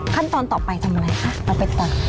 ขั้นตอนต่อไปทำอะไรคะเอาไปตัด